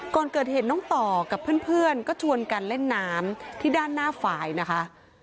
ก่อนเกิดเหตุน้องต่อกับเพื่อนก็ชวนกันเล่นน้ำที่ด้านหน้าฝ่ายนะคะ